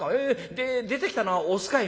で出てきたのはオスかい？